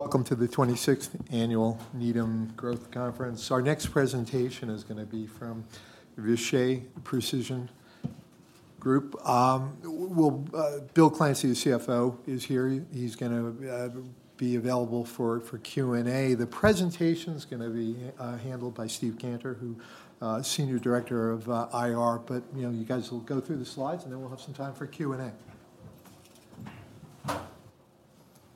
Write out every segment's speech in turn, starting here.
Welcome to the twenty-sixth Annual Needham Growth Conference. Our next presentation is gonna be from Vishay Precision Group. Bill Clancy, the CFO, is here. He's gonna be available for Q&A. The presentation's gonna be handled by Steve Cantor, who Senior Director of IR. You know, you guys will go through the slides, and then we'll have some time for Q&A.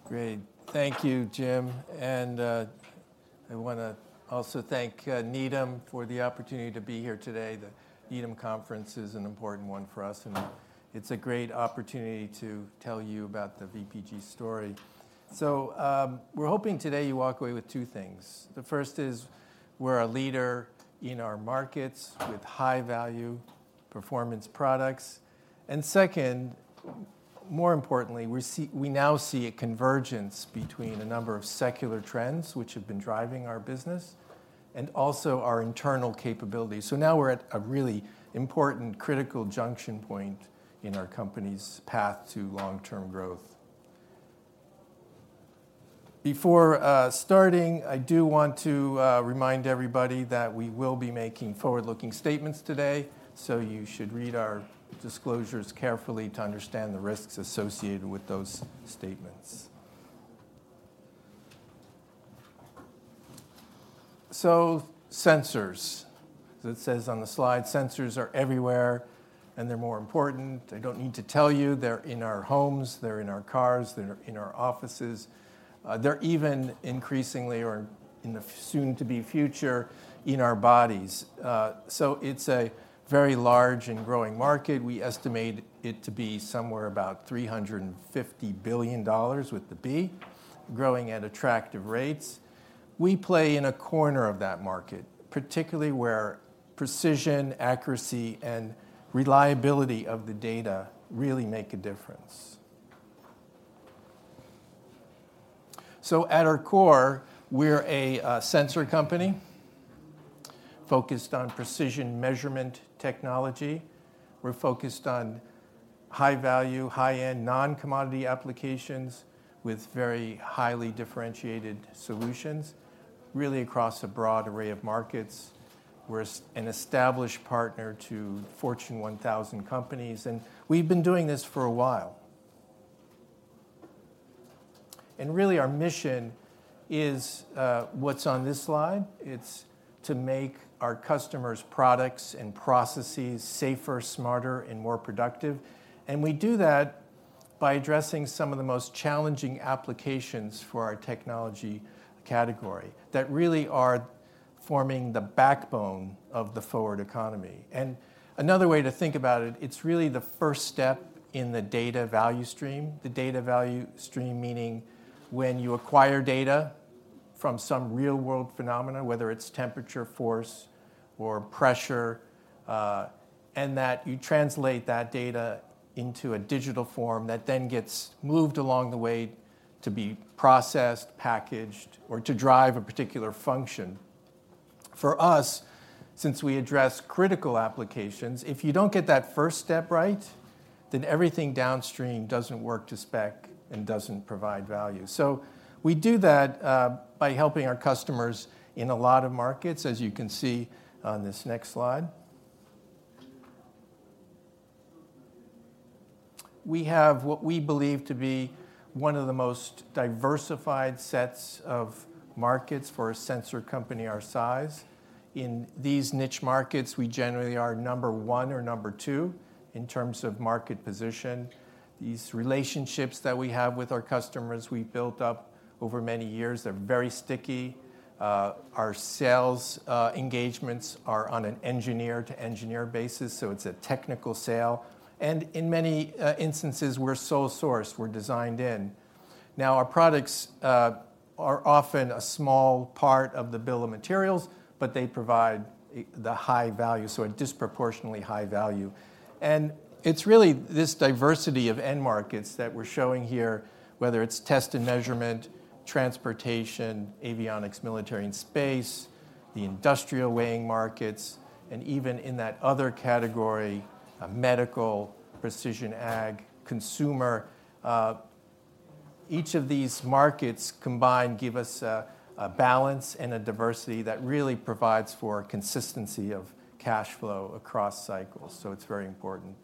Great. Thank you, Jim. I wanna also thank Needham for the opportunity to be here today. The Needham conference is an important one for us, and it's a great opportunity to tell you about the VPG story. We're hoping today you walk away with two things. The first is, we're a leader in our markets with high-value performance products. And second, more importantly, we now see a convergence between a number of secular trends, which have been driving our business, and also our internal capabilities. Now we're at a really important, critical junction point in our company's path to long-term growth. Before starting, I do want to remind everybody that we will be making forward-looking statements today, so you should read our disclosures carefully to understand the risks associated with those statements. Sensors. So it says on the slide, sensors are everywhere, and they're more important. I don't need to tell you, they're in our homes, they're in our cars, they're in our offices. They're even increasingly, or in the soon-to-be future, in our bodies. So it's a very large and growing market. We estimate it to be somewhere about $350 billion, with a B, growing at attractive rates. We play in a corner of that market, particularly where precision, accuracy, and reliability of the data really make a difference. So at our core, we're a sensor company focused on precision measurement technology. We're focused on high value, high-end, non-commodity applications with very highly differentiated solutions, really across a broad array of markets. We're an established partner to Fortune 1000 companies, and we've been doing this for a while. Really, our mission is what's on this slide. It's to make our customers' products and processes safer, smarter, and more productive. We do that by addressing some of the most challenging applications for our technology category that really are forming the backbone of the forward economy. Another way to think about it, it's really the first step in the data value stream. The data value stream, meaning when you acquire data from some real-world phenomena, whether it's temperature, force, or pressure, and that you translate that data into a digital form that then gets moved along the way to be processed, packaged, or to drive a particular function. For us, since we address critical applications, if you don't get that first step right, then everything downstream doesn't work to spec and doesn't provide value. So we do that by helping our customers in a lot of markets, as you can see on this next slide. We have what we believe to be one of the most diversified sets of markets for a sensor company our size. In these niche markets, we generally are number one or number two in terms of market position. These relationships that we have with our customers, we built up over many years. They're very sticky. Our sales engagements are on an engineer-to-engineer basis, so it's a technical sale. And in many instances, we're sole source, we're designed in. Now, our products are often a small part of the bill of materials, but they provide the high value, so a disproportionately high value. It's really this diversity of end markets that we're showing here, whether it's test and measurement, transportation, avionics, military and space, the industrial weighing markets, and even in that other category, medical, precision ag, consumer. Each of these markets combined give us a balance and a diversity that really provides for consistency of cash flow across cycles, so it's very important.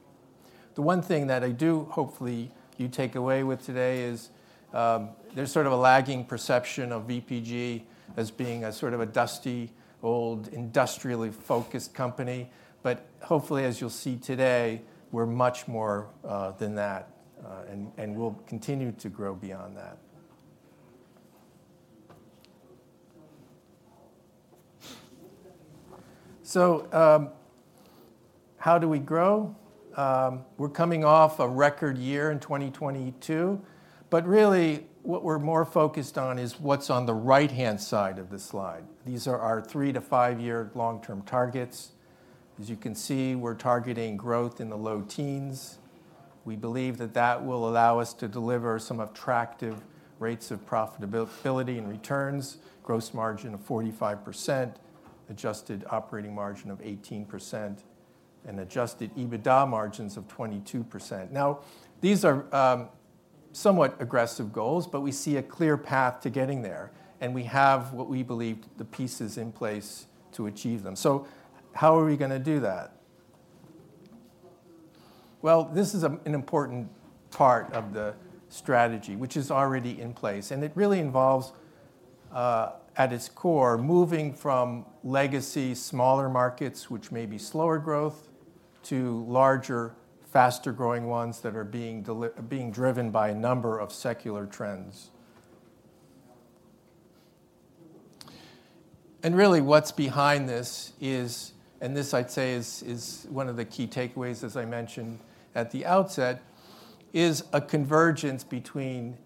The one thing that I do, hopefully, you take away with today is, there's sort of a lagging perception of VPG as being a sort of a dusty, old, industrially-focused company. But hopefully, as you'll see today, we're much more than that, and we'll continue to grow beyond that. So, how do we grow? We're coming off a record year in 2022, but really, what we're more focused on is what's on the right-hand side of the slide. These are our three- to five-year long-term targets. As you can see, we're targeting growth in the low teens. We believe that that will allow us to deliver some attractive rates of profitability and returns, gross margin of 45%, adjusted operating margin of 18%, and adjusted EBITDA margins of 22%. Now, these are somewhat aggressive goals, but we see a clear path to getting there, and we have what we believe the pieces in place to achieve them. So how are we gonna do that? Well, this is an important part of the strategy, which is already in place, and it really involves, at its core, moving from legacy, smaller markets, which may be slower growth, to larger, faster-growing ones that are being driven by a number of secular trends. Really, what's behind this is, and this I'd say is one of the key takeaways, as I mentioned at the outset, is a convergence between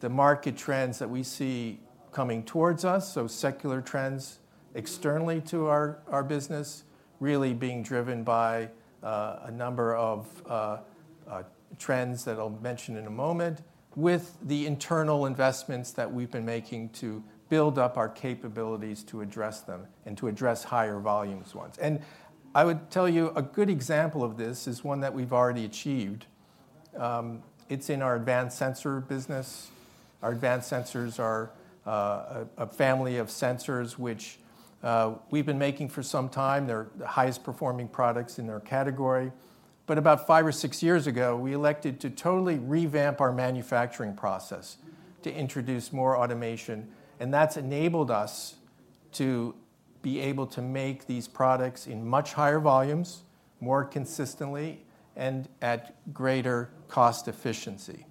the market trends that we see coming towards us, so secular trends externally to our business, really being driven by a number of trends that I'll mention in a moment, with the internal investments that we've been making to build up our capabilities to address them and to address higher volumes ones. I would tell you, a good example of this is one that we've already achieved. It's in our advanced sensor business. Our advanced sensors are a family of sensors which we've been making for some time. They're the highest-performing products in their category. But about five or six years ago, we elected to totally revamp our manufacturing process to introduce more automation, and that's enabled us to be able to make these products in much higher volumes, more consistently, and at greater cost efficiency.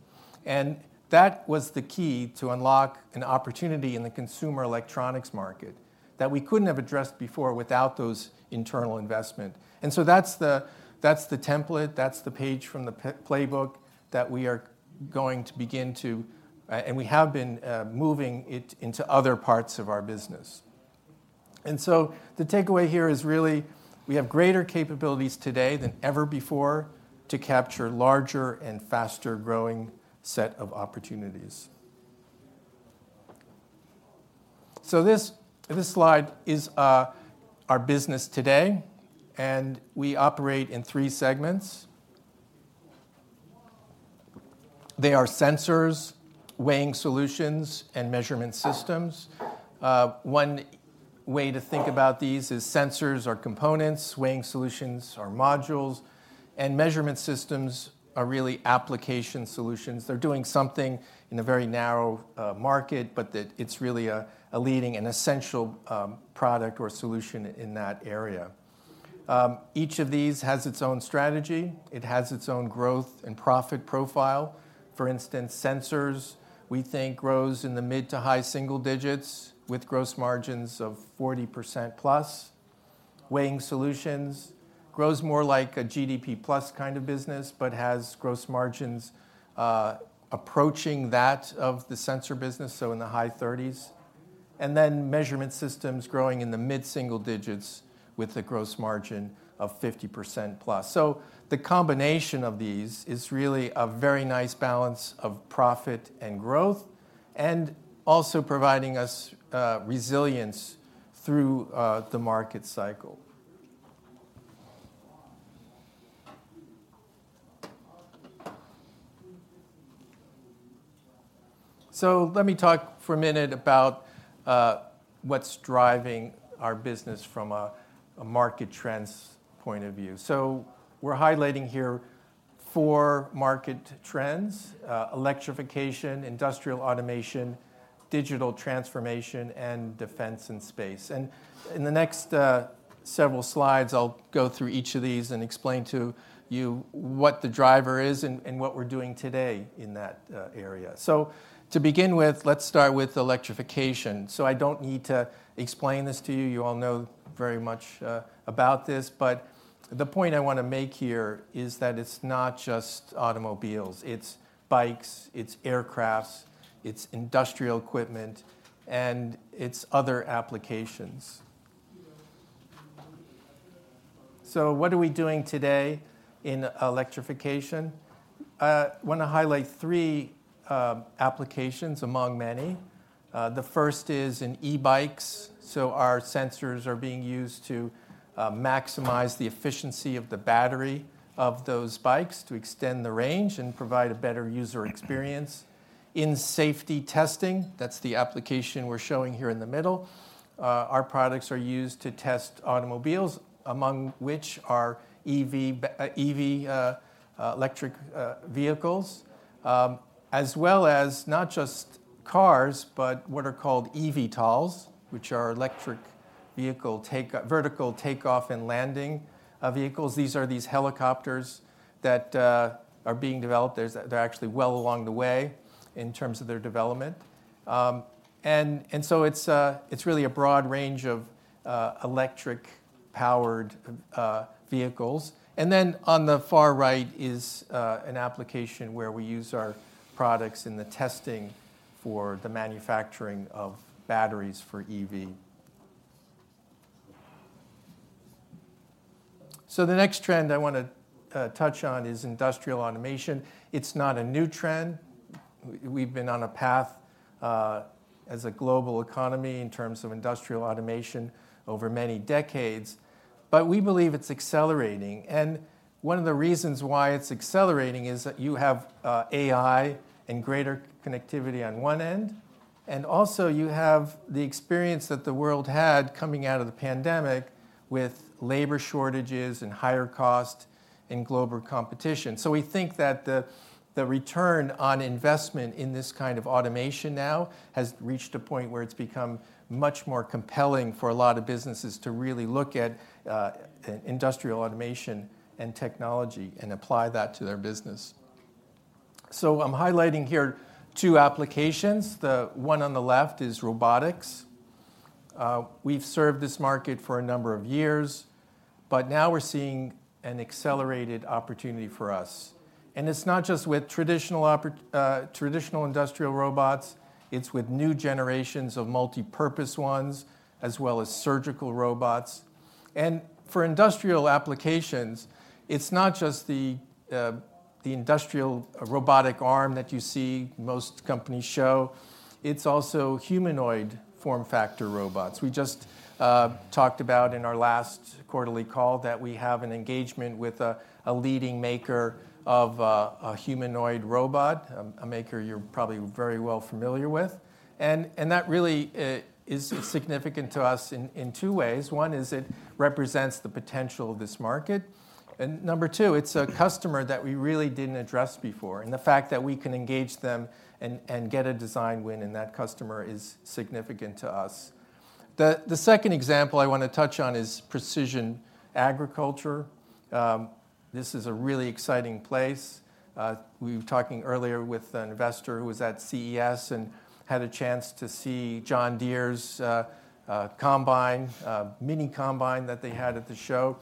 And that was the key to unlock an opportunity in the consumer electronics market that we couldn't have addressed before without those internal investment. And so that's the, that's the template, that's the page from the playbook that we are going to begin to, and we have been, moving it into other parts of our business. And so the takeaway here is really, we have greater capabilities today than ever before to capture larger and faster-growing set of opportunities. So this, this slide is, our business today, and we operate in three segments. They are sensors, weighing solutions, and measurement systems. One way to think about these is sensors are components, weighing solutions are modules, and measurement systems are really application solutions. They're doing something in a very narrow market, but that it's really a leading and essential product or solution in that area. Each of these has its own strategy. It has its own growth and profit profile. For instance, sensors, we think, grows in the mid- to high-single digits, with gross margins of 40%+. Weighing solutions grows more like a GDP plus kind of business, but has gross margins approaching that of the sensor business, so in the high 30s. Then measurement systems growing in the mid-single digits with a gross margin of 50%+. So the combination of these is really a very nice balance of profit and growth, and also providing us resilience through the market cycle. So let me talk for a minute about what's driving our business from a market trends point of view. So we're highlighting here four market trends: electrification, industrial automation, digital transformation, and defense and space. And in the next several slides, I'll go through each of these and explain to you what the driver is and what we're doing today in that area. So to begin with, let's start with electrification. So I don't need to explain this to you. You all know very much about this, but the point I wanna make here is that it's not just automobiles, it's bikes, it's aircraft, it's industrial equipment, and it's other applications. So what are we doing today in electrification? Wanna highlight three applications among many. The first is in e-bikes. So our sensors are being used to maximize the efficiency of the battery of those bikes to extend the range and provide a better user experience. In safety testing, that's the application we're showing here in the middle, our products are used to test automobiles, among which are EV, electric vehicles, as well as not just cars, but what are called eVTOLs, which are electric vertical takeoff and landing vehicles. These are these helicopters that are being developed. They're actually well along the way in terms of their development. And so it's really a broad range of electric-powered vehicles. Then on the far right is an application where we use our products in the testing for the manufacturing of batteries for EV. So the next trend I wanna touch on is industrial automation. It's not a new trend... We've been on a path as a global economy in terms of industrial automation over many decades, but we believe it's accelerating. And one of the reasons why it's accelerating is that you have AI and greater connectivity on one end, and also you have the experience that the world had coming out of the pandemic with labor shortages and higher cost and global competition. So we think that the return on investment in this kind of automation now has reached a point where it's become much more compelling for a lot of businesses to really look at industrial automation and technology, and apply that to their business. So I'm highlighting here two applications. The one on the left is robotics. We've served this market for a number of years, but now we're seeing an accelerated opportunity for us. And it's not just with traditional industrial robots, it's with new generations of multipurpose ones, as well as surgical robots. And for industrial applications, it's not just the industrial robotic arm that you see most companies show, it's also humanoid form factor robots. We just talked about in our last quarterly call that we have an engagement with a leading maker of a humanoid robot, a maker you're probably very well familiar with. And that really is significant to us in two ways. One is it represents the potential of this market, and number two, it's a customer that we really didn't address before, and the fact that we can engage them and get a design win, and that customer is significant to us. The second example I want to touch on is precision agriculture. This is a really exciting place. We were talking earlier with an investor who was at CES and had a chance to see John Deere's mini combine that they had at the show.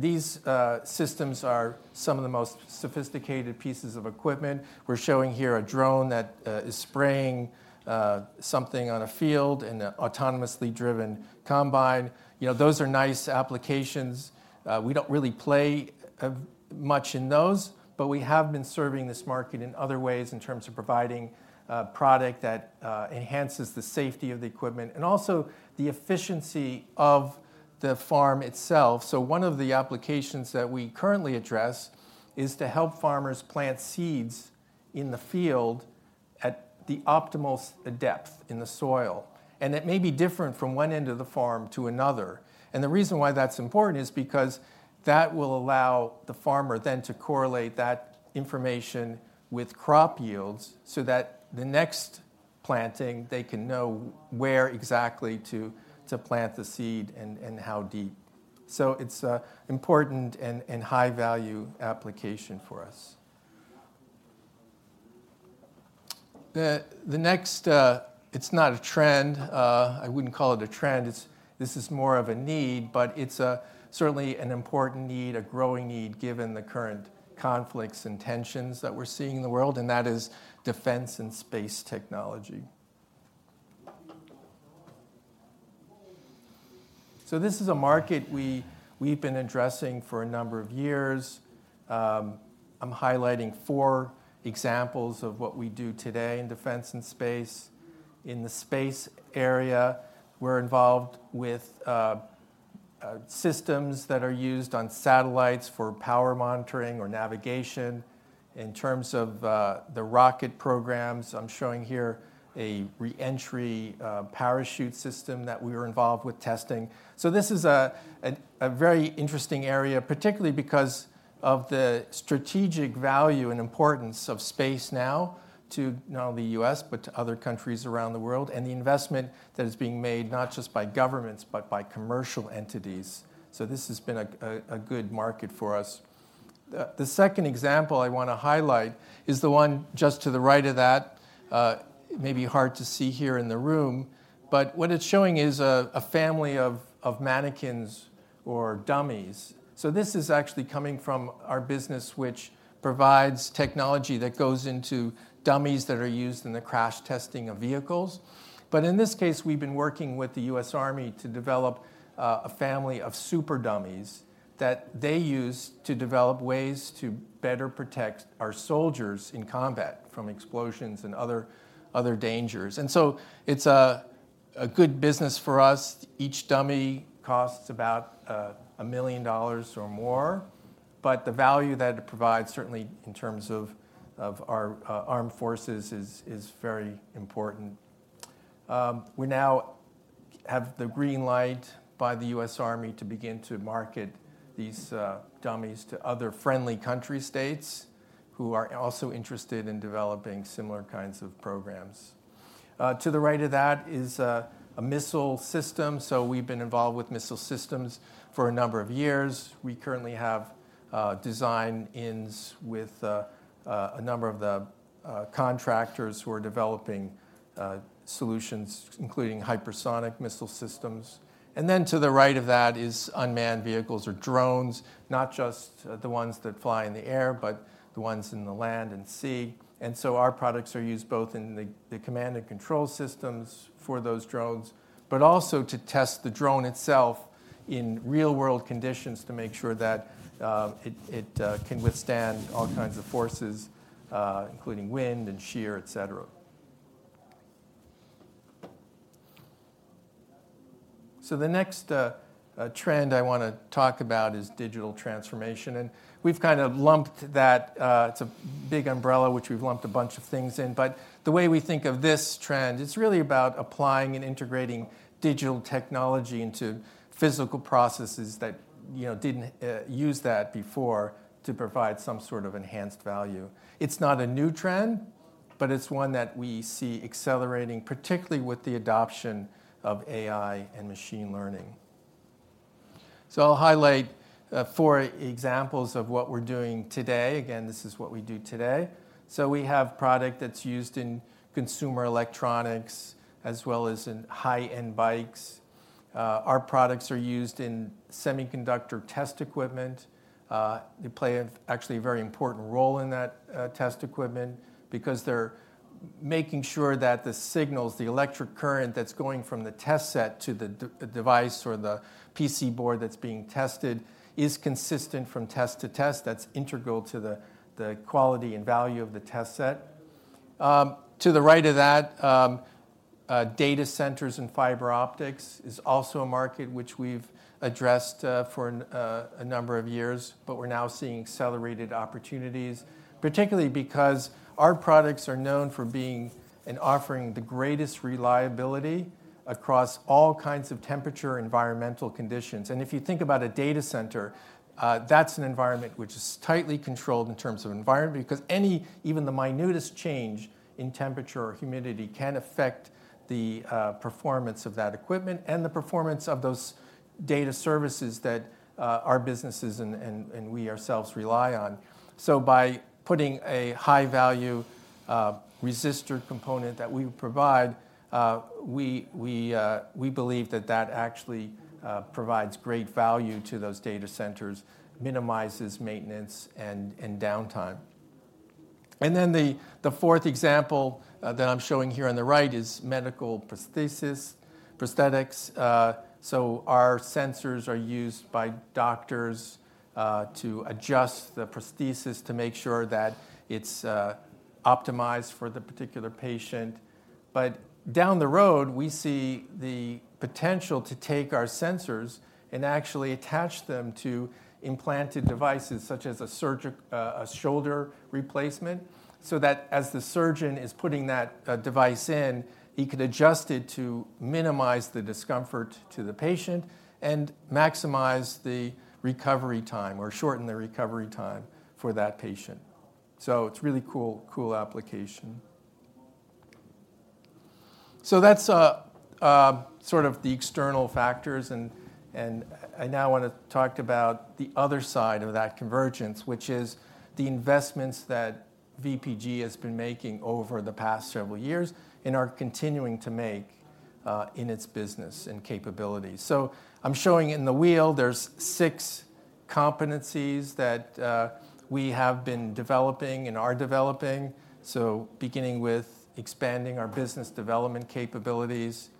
These systems are some of the most sophisticated pieces of equipment. We're showing here a drone that is spraying something on a field, and an autonomously driven combine. You know, those are nice applications. We don't really play much in those, but we have been serving this market in other ways in terms of providing a product that enhances the safety of the equipment, and also the efficiency of the farm itself. So one of the applications that we currently address is to help farmers plant seeds in the field at the optimal depth in the soil, and it may be different from one end of the farm to another. The reason why that's important is because that will allow the farmer then to correlate that information with crop yields, so that the next planting, they can know where exactly to plant the seed and how deep. So it's important and high value application for us. The next, it's not a trend, I wouldn't call it a trend, it's this is more of a need, but it's certainly an important need, a growing need, given the current conflicts and tensions that we're seeing in the world, and that is defense and space technology. So this is a market we've been addressing for a number of years. I'm highlighting four examples of what we do today in defense and space. In the space area, we're involved with systems that are used on satellites for power monitoring or navigation. In terms of the rocket programs, I'm showing here a re-entry parachute system that we were involved with testing. So this is a very interesting area, particularly because of the strategic value and importance of space now to not only the U.S., but to other countries around the world, and the investment that is being made, not just by governments, but by commercial entities. So this has been a good market for us. The second example I want to highlight is the one just to the right of that. It may be hard to see here in the room, but what it's showing is a family of mannequins or dummies. So this is actually coming from our business, which provides technology that goes into dummies that are used in the crash testing of vehicles. But in this case, we've been working with the U.S. Army to develop a family of super dummies that they use to develop ways to better protect our soldiers in combat from explosions and other dangers. So it's a good business for us. Each dummy costs about $1 million or more, but the value that it provides, certainly in terms of our armed forces, is very important. We now have the green light by the U.S. Army to begin to market these dummies to other friendly country states, who are also interested in developing similar kinds of programs. To the right of that is a missile system. So we've been involved with missile systems for a number of years. We currently have design-ins with a number of the contractors who are developing solutions, including hypersonic missile systems. And then to the right of that is unmanned vehicles or drones, not just the ones that fly in the air, but the ones in the land and sea. And so our products are used both in the command and control systems for those drones, but also to test the drone itself in real world conditions to make sure that it can withstand all kinds of forces, including wind and shear, et cetera. So the next trend I wanna talk about is digital transformation, and we've kind of lumped that, it's a big umbrella, which we've lumped a bunch of things in. The way we think of this trend, it's really about applying and integrating digital technology into physical processes that, you know, didn't use that before to provide some sort of enhanced value. It's not a new trend, but it's one that we see accelerating, particularly with the adoption of AI and machine learning. I'll highlight four examples of what we're doing today. Again, this is what we do today. We have product that's used in consumer electronics as well as in high-end bikes. Our products are used in semiconductor test equipment. They play actually a very important role in that test equipment because they're making sure that the signals, the electric current that's going from the test set to the device or the PC board that's being tested, is consistent from test to test. That's integral to the quality and value of the test set. To the right of that, data centers and fiber optics is also a market which we've addressed for a number of years, but we're now seeing accelerated opportunities, particularly because our products are known for being and offering the greatest reliability across all kinds of temperature environmental conditions. And if you think about a data center, that's an environment which is tightly controlled in terms of environment, because any even the minutest change in temperature or humidity can affect the performance of that equipment and the performance of those data services that our businesses and we ourselves rely on. So by putting a high-value resistor component that we provide, we believe that that actually provides great value to those data centers, minimizes maintenance and downtime. And then the fourth example that I'm showing here on the right is medical prosthetics. So our sensors are used by doctors to adjust the prosthesis to make sure that it's optimized for the particular patient. But down the road, we see the potential to take our sensors and actually attach them to implanted devices, such as a shoulder replacement, so that as the surgeon is putting that device in, he could adjust it to minimize the discomfort to the patient and maximize the recovery time or shorten the recovery time for that patient. So it's a really cool application. So that's sort of the external factors, and I now wanna talk about the other side of that convergence, which is the investments that VPG has been making over the past several years and are continuing to make, in its business and capabilities. So I'm showing in the wheel, there's six competencies that we have been developing and are developing. So beginning with expanding our business development capabilities,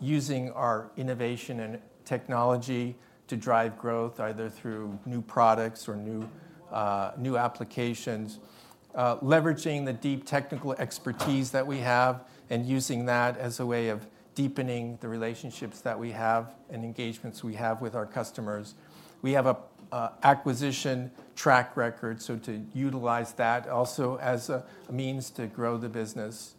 using our innovation and technology to drive growth, either through new products or new, new applications. Leveraging the deep technical expertise that we have, and using that as a way of deepening the relationships that we have and engagements we have with our customers. We have an acquisition track record, so to utilize that also as a means to grow the business.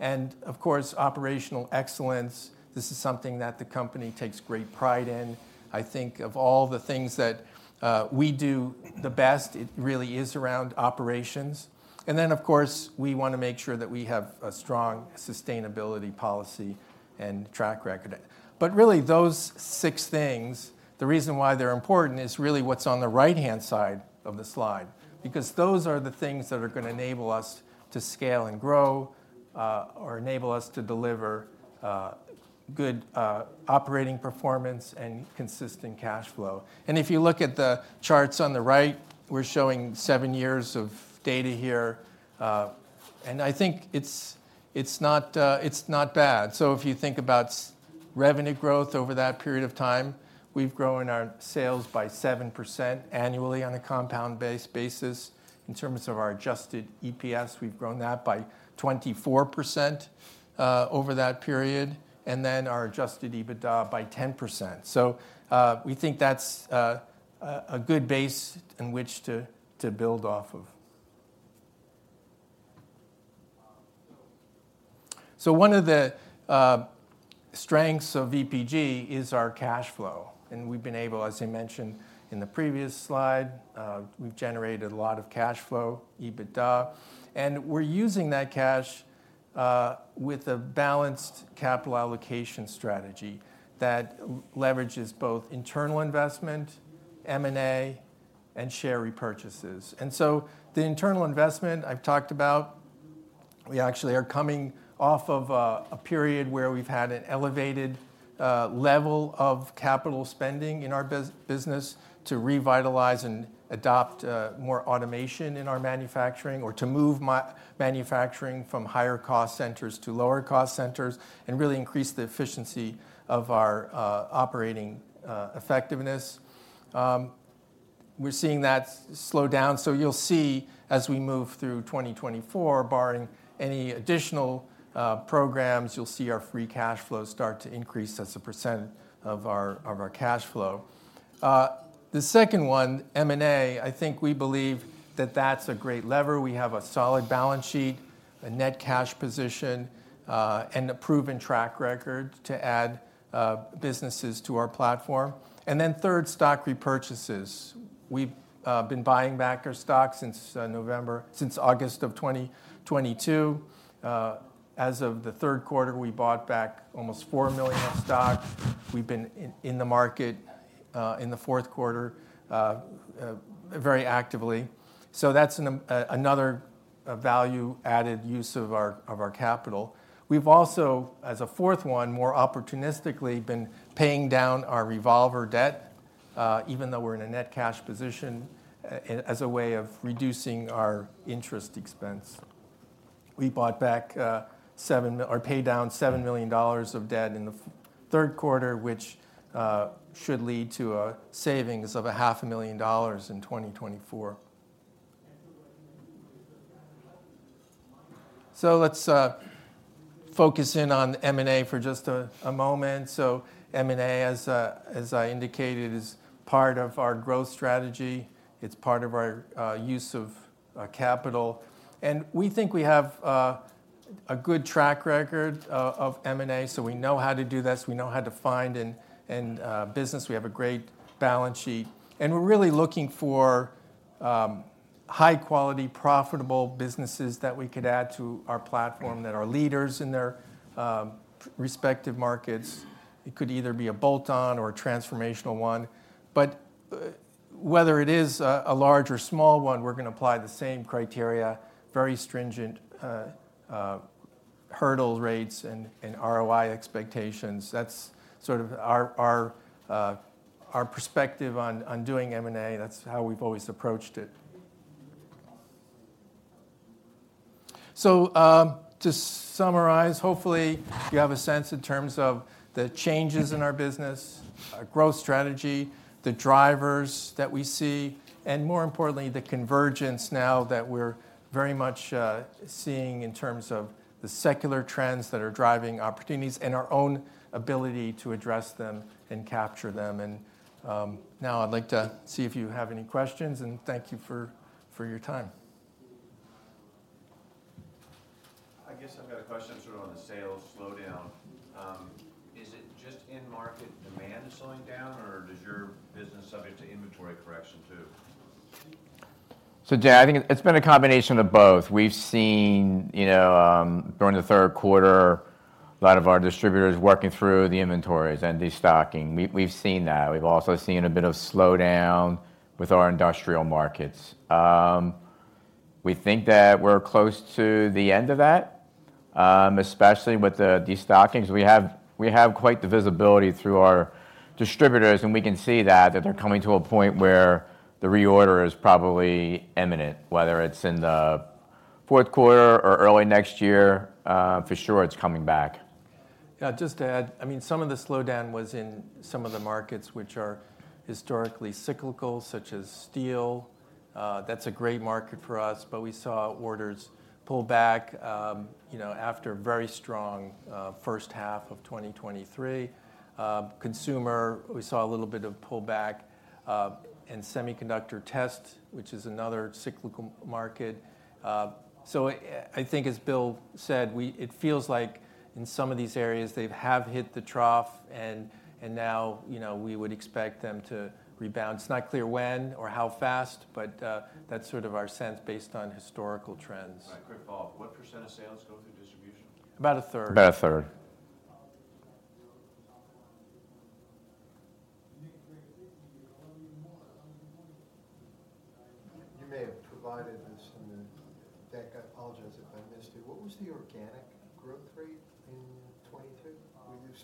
Of course, operational excellence, this is something that the company takes great pride in. I think of all the things that, we do the best, it really is around operations. And then, of course, we wanna make sure that we have a strong sustainability policy and track record. But really, those six things, the reason why they're important is really what's on the right-hand side of the slide, because those are the things that are gonna enable us to scale and grow, or enable us to deliver, good, operating performance and consistent cash flow. If you look at the charts on the right, we're showing seven years of data here, and I think it's, it's not, it's not bad. So if you think about revenue growth over that period of time, we've grown our sales by 7% annually on a compound-based basis. In terms of our adjusted EPS, we've grown that by 24%, over that period, and then our adjusted EBITDA by 10%. We think that's a good base in which to build off of. One of the strengths of VPG is our cash flow, and we've been able, as I mentioned in the previous slide, we've generated a lot of cash flow, EBITDA, and we're using that cash with a balanced capital allocation strategy that leverages both internal investment, M&A, and share repurchases. The internal investment I've talked about, we actually are coming off of a period where we've had an elevated level of capital spending in our business to revitalize and adopt more automation in our manufacturing, or to move manufacturing from higher-cost centers to lower-cost centers, and really increase the efficiency of our operating effectiveness. We're seeing that slow down. So you'll see as we move through 2024, barring any additional programs, you'll see our free cash flow start to increase as a percent of our cash flow. The second one, M&A, I think we believe that that's a great lever. We have a solid balance sheet, a net cash position, and a proven track record to add businesses to our platform. And then third, stock repurchases. We've been buying back our stock since August of 2022. As of the third quarter, we bought back almost four million of stock. We've been in the market in the fourth quarter very actively. So that's another value-added use of our capital. We've also, as a fourth one, more opportunistically been paying down our revolver debt, even though we're in a net cash position, as a way of reducing our interest expense. We bought back seven or paid down $7 million of debt in the third quarter, which should lead to a savings of $500,000 in 2024. So let's focus in on M&A for just a moment. So M&A, as I indicated, is part of our growth strategy, it's part of our use of capital. And we think we have a good track record of M&A, so we know how to do this, we know how to find and business, we have a great balance sheet. And we're really looking for high-quality, profitable businesses that we could add to our platform, that are leaders in their respective markets. It could either be a bolt-on or a transformational one. But whether it is a large or small one, we're gonna apply the same criteria, very stringent hurdle rates and ROI expectations. That's sort of our perspective on doing M&A. That's how we've always approached it. So, to summarize, hopefully you have a sense in terms of the changes in our business, our growth strategy, the drivers that we see, and more importantly, the convergence now that we're very much seeing in terms of the secular trends that are driving opportunities and our own ability to address them and capture them. And, now I'd like to see if you have any questions, and thank you for your time. I guess I've got a question sort of on the sales slowdown. Is it just in-market demand slowing down, or is your business subject to inventory correction, too? So, Jay, I think it's been a combination of both. We've seen, you know, during the third quarter, a lot of our distributors working through the inventories and destocking. We've seen that. We've also seen a bit of slowdown with our industrial markets. We think that we're close to the end of that, especially with the destockings. We have quite the visibility through our distributors, and we can see that they're coming to a point where the reorder is probably imminent, whether it's in the fourth quarter or early next year, for sure, it's coming back. Yeah, just to add, I mean, some of the slowdown was in some of the markets which are historically cyclical, such as steel. That's a great market for us, but we saw orders pull back, you know, after a very strong, first half of 2023. Consumer, we saw a little bit of pull back, and semiconductor test, which is another cyclical market. So I, I think, as Bill said, it feels like in some of these areas, they have hit the trough and, and now, you know, we would expect them to rebound. It's not clear when or how fast, but that's sort of our sense based on historical trends. Right. Quick follow-up. What % of sales go through distribution? About a third. About a third.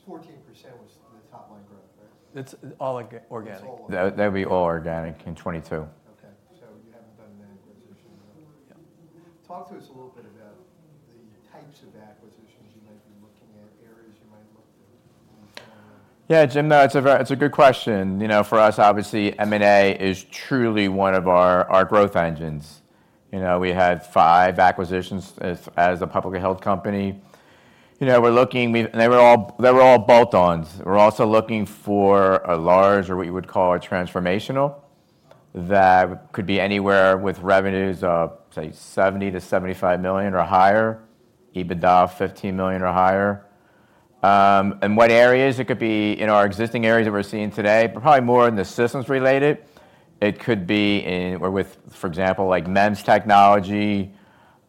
You may have provided this in the deck. I apologize if I missed it. What was the organic growth rate in 2022? It was 14% was the top-line growth, right? It's all organic. That, that'd be all organic in 2022. Okay. So you haven't done the acquisition then? Yeah. Talk to us a little bit about the types of acquisitions you might be looking at, areas you might look to? Yeah, Jim, no, it's a very, it's a good question. You know, for us, obviously, M&A is truly one of our growth engines. You know, we had five acquisitions as a publicly held company. You know, we're looking. They were all bolt-ons. We're also looking for a large, or what you would call a transformational, that could be anywhere with revenues of, say, $70-$75 million or higher, EBITDA $15 million or higher. And what areas? It could be in our existing areas that we're seeing today, but probably more in the systems related. It could be in or with, for example, like MEMS technology,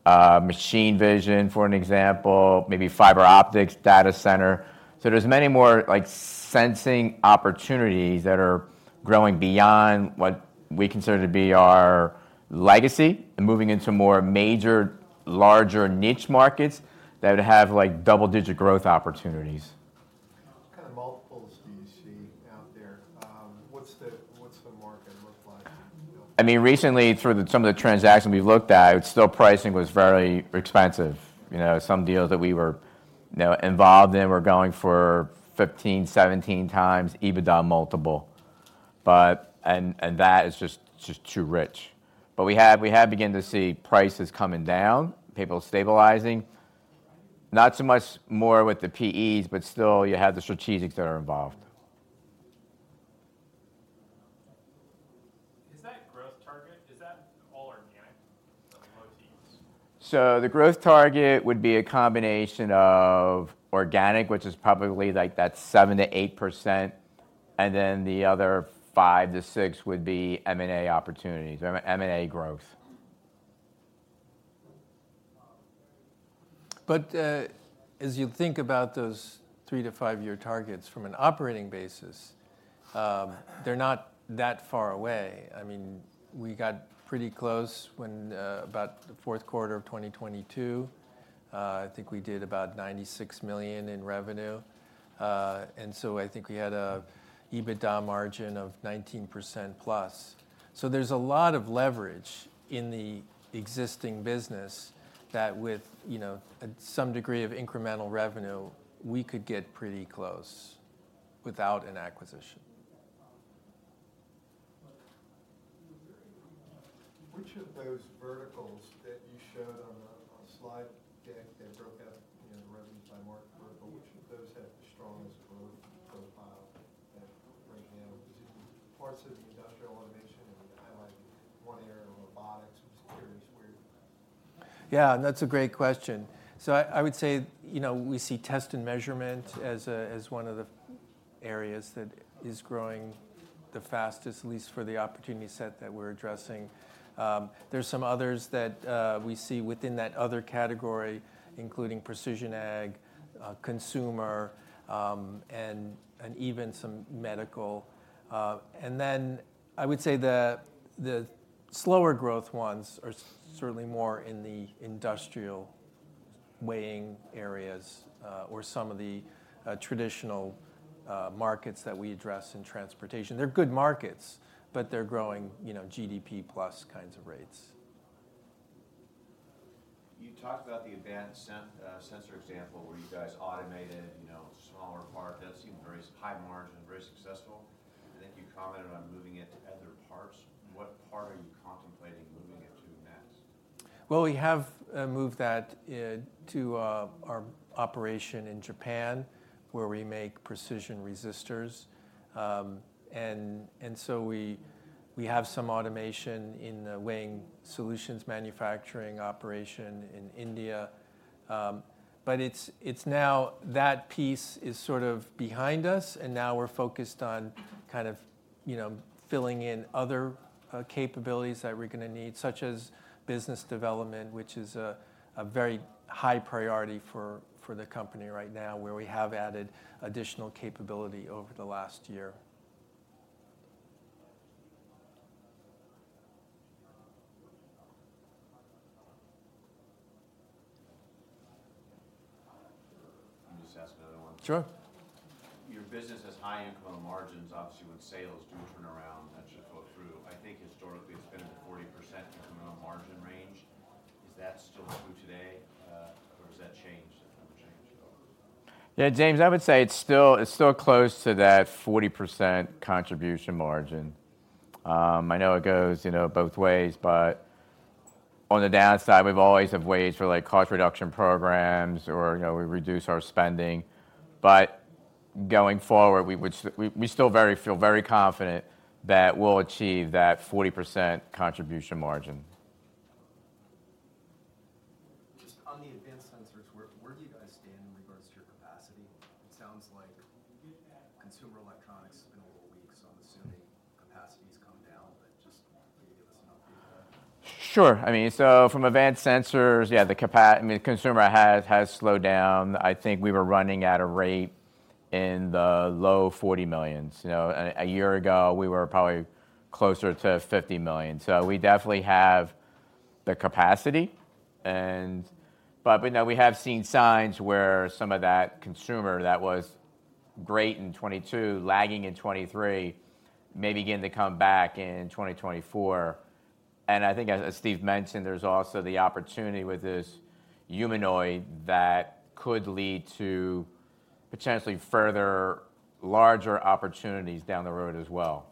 machine vision, for an example, maybe fiber optics, data center. So there's many more like sensing opportunities that are growing beyond what we consider to be our legacy, and moving into more major, larger niche markets that would have like double-digit growth opportunities. What kind of multiples do you see out there? What's the market look like? I mean, recently, through some of the transactions we've looked at, still pricing was very expensive. You know, some deals that we were, you know, involved in, we're going for 15-17 times EBITDA multiple. But, and, and that is just, just too rich. But we have, we have begun to see prices coming down, people stabilizing. Not so much more with the PEs, but still you have the strategics that are involved. Is that growth target, is that all organic? I mean, no Ts? So the growth target would be a combination of organic, which is probably like that 7%-8%, and then the other 5-6 would be M&A opportunities, M&A growth. But, as you think about those three-five-year targets from an operating basis, they're not that far away. I mean, we got pretty close when, about the fourth quarter of 2022. I think we did about $96 million in revenue. And so I think we had an EBITDA margin of 19%+. So there's a lot of leverage in the existing business that with, you know, some degree of incremental revenue, we could get pretty close without an acquisition. Which of those verticals that you showed on the slide deck that broke out, you know, the revenue by market vertical, which of those have the strongest growth profile right now? Parts of the industrial automation, and you highlighted one area of robotics. I'm just curious where you're at. Yeah, and that's a great question. So I would say, you know, we see test and measurement as one of the areas that is growing the fastest, at least for the opportunity set that we're addressing. There's some others that we see within that other category, including precision ag, consumer, and even some medical. And then I would say the slower growth ones are certainly more in the industrial weighing areas, or some of the traditional markets that we address in transportation. They're good markets, but they're growing, you know, GDP plus kinds of rates. You talked about the advanced sensor example, where you guys automated, you know, a smaller part. That seemed very high margin and very successful. I think you commented on moving it to other parts. What part are you contemplating moving it to next? Well, we have moved that to our operation in Japan, where we make precision resistors. And so we have some automation in the weighing solutions manufacturing operation in India. But it's now, that piece is sort of behind us, and now we're focused on kind of, you know, filling in other capabilities that we're gonna need, such as business development, which is a very high priority for the company right now, where we have added additional capability over the last year. Let me just ask another one. Sure. Your business has high income margins. Obviously, when sales do turn around, that should flow through. I think historically, it's been in the 40% contribution margin range. Is that still true today, or has that changed, the number changed? Yeah, James, I would say it's still close to that 40% contribution margin. I know it goes, you know, both ways, but on the downside, we've always have ways for, like, cost reduction programs or, you know, we reduce our spending. But going forward, we would—we still very feel very confident that we'll achieve that 40% contribution margin. Just on the advanced sensors, where do you guys stand in regards to your capacity? It sounds like consumer electronics has been a little weak, so I'm assuming capacity's come down, but just can you give us an update on that? Sure. I mean, so from advanced sensors, yeah, the consumer has slowed down. I think we were running at a rate in the low $40 million. You know, a year ago, we were probably closer to $50 million. So we definitely have the capacity, and. But, you know, we have seen signs where some of that consumer that was great in 2022, lagging in 2023, may begin to come back in 2024. And I think, as Steve mentioned, there's also the opportunity with this humanoid that could lead to potentially further, larger opportunities down the road as well.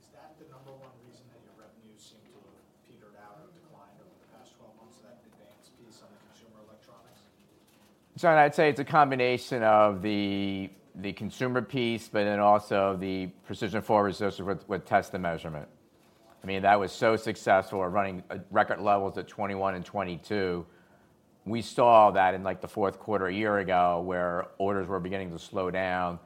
Is that the number one reason that your revenues seem to have petered out or declined over the past 12 months, so that advanced piece on the consumer electronics? So I'd say it's a combination of the, the consumer piece, but then also the precision foil resistor with, with test and measurement. I mean, that was so successful. We're running record levels at 2021 and 2022. We saw that in, like, the fourth quarter a year ago, where orders were beginning to slow down,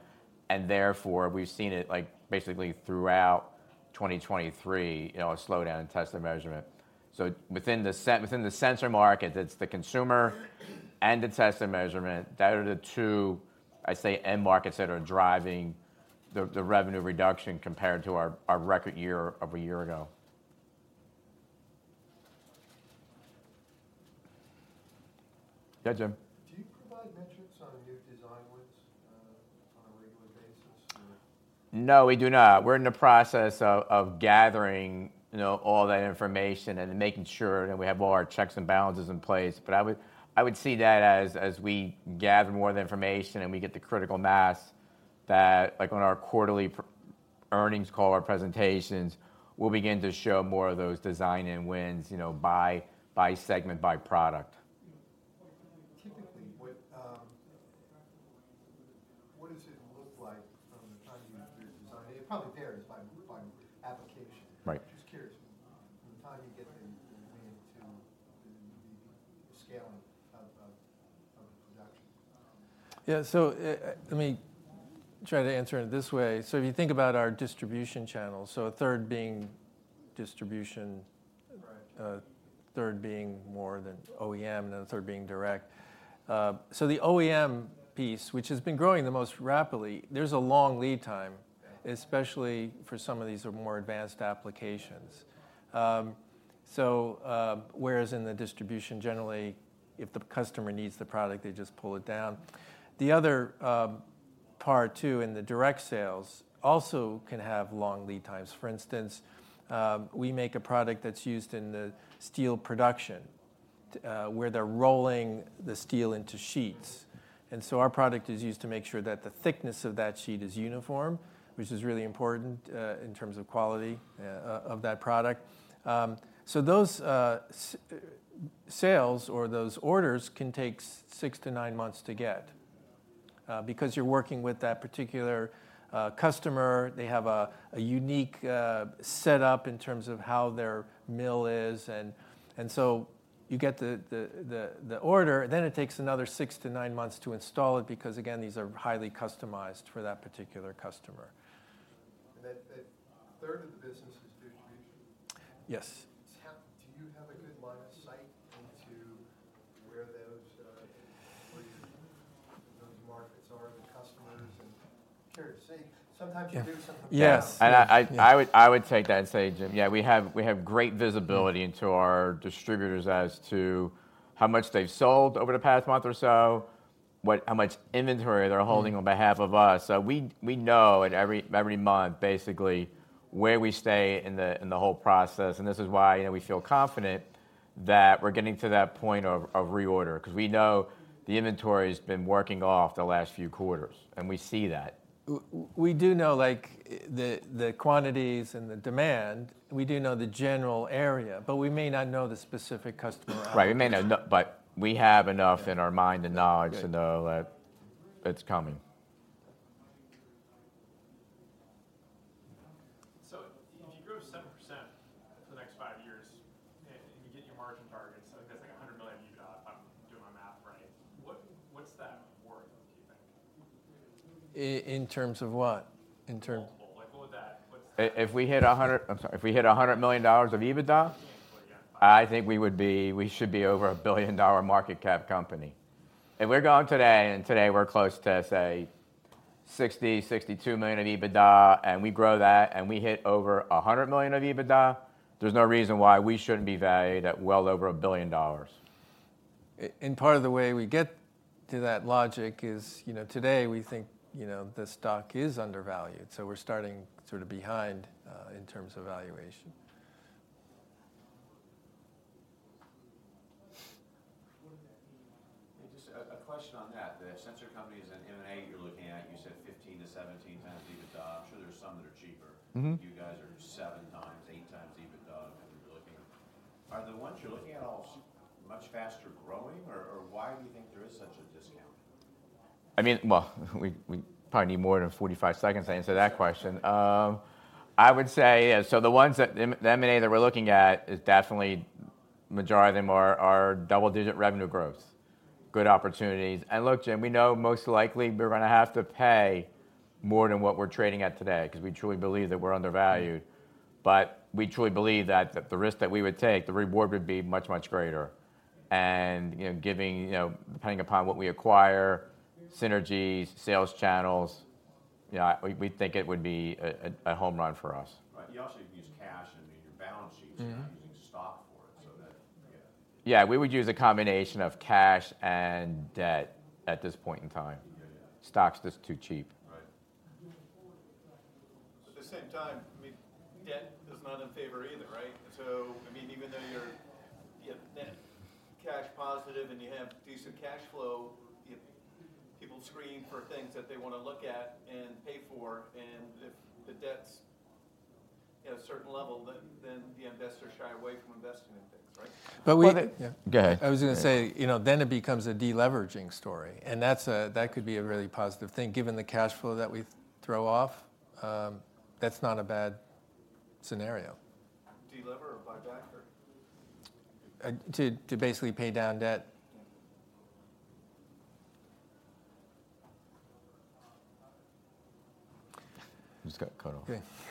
and therefore, we've seen it, like, basically throughout 2023, you know, a slowdown in test and measurement. So within the sensor market, it's the consumer and the test and measurement. That are the two, I'd say, end markets that are driving the, the revenue reduction compared to our, our record year of a year ago. Yeah, Jim? Do you provide metrics on your design wins?... No, we do not. We're in the process of gathering, you know, all that information and making sure that we have all our checks and balances in place. But I would see that as we gather more of the information and we get the critical mass, that, like, on our quarterly earnings call or presentations, we'll begin to show more of those design and wins, you know, by segment, by product. Typically, what does it look like from the time you do design? It probably varies by application. Right. Just curious, from the time you get the lead to the scaling of production. Yeah. So, let me try to answer it this way: so if you think about our distribution channel, so a third being distribution- Right... a third being more the OEM, and then a third being direct. So the OEM piece, which has been growing the most rapidly, there's a long lead time- Yeah... especially for some of these more advanced applications. Whereas in the distribution, generally, if the customer needs the product, they just pull it down. The other, part, too, in the direct sales, also can have long lead times. For instance, we make a product that's used in the steel production, where they're rolling the steel into sheets, and so our product is used to make sure that the thickness of that sheet is uniform, which is really important, in terms of quality, of that product. Those sales or those orders can take six-nine months to get, because you're working with that particular, customer. They have a unique setup in terms of how their mill is, and so you get the order, then it takes another six-nine months to install it, because, again, these are highly customized for that particular customer. That third of the business is distribution? Yes. So, do you have a good line of sight into where those, where those markets are, the customers, and... Curious, see, sometimes you do something- Yes. Yes, and I would take that and say, Jim, yeah, we have great visibility into our distributors as to how much they've sold over the past month or so, how much inventory they're holding on behalf of us. So we know every month, basically, where we stay in the whole process, and this is why, you know, we feel confident that we're getting to that point of reorder. 'Cause we know the inventory's been working off the last few quarters, and we see that. We do know, like, the quantities and the demand. We do know the general area, but we may not know the specific customer- Right, we may not know, but we have enough in our mind and knowledge- Good... to know that it's coming. So if you grow 7% for the next five years and you get your margin targets, so that's like $100 million EBITDA, if I'm doing my math right, what's that worth, do you think? In terms of what? In terms- Multiple. Like, what would that, what's- If we hit 100... I'm sorry, if we hit $100 million of EBITDA? Yeah. I think we would be, we should be over a billion-dollar market cap company. If we're going today, and today we're close to, say, $60-$62 million of EBITDA, and we grow that, and we hit over $100 million of EBITDA, there's no reason why we shouldn't be valued at well over $1 billion. Part of the way we get to that logic is, you know, today, we think, you know, the stock is undervalued, so we're starting sort of behind, in terms of valuation. What does that mean? Just a question on that, the sensor companies and M&A you're looking at, you said 15-17x EBITDA. I'm sure there are some that are cheaper. Mm-hmm. You guys are seven times, eight times EBITDA than you're looking. Are the ones you're looking at all much faster growing, or, or why do you think there is such a discount? I mean, well, we probably need more than 45 seconds to answer that question. I would say, yeah, so the ones that the M&A that we're looking at is definitely, majority of them are double-digit revenue growth, good opportunities. And look, Jim, we know most likely we're gonna have to pay more than what we're trading at today, because we truly believe that we're undervalued. But we truly believe that the risk that we would take, the reward would be much, much greater. And, you know, given, you know, depending upon what we acquire, synergies, sales channels, yeah, we think it would be a home run for us. Right. You also use cash and your balance sheet- Mm-hmm... you're not using stock for it, so that, yeah. Yeah, we would use a combination of cash and debt at this point in time. Yeah, yeah. Stock's just too cheap. Right. At the same time, I mean, debt is not in favor either, right? So I mean, even though you're, you have net cash positive and you have decent cash flow, you, people screen for things that they want to look at and pay for, and if the debt's at a certain level, then the investors shy away from investing in things, right? But we- Well, yeah. Go ahead. I was gonna say, you know, then it becomes a de-leveraging story, and that's a, that could be a really positive thing. Given the cash flow that we throw off, that's not a bad scenario. De-lever or buyback or? To basically pay down debt. Okay. Just got cut off. Okay.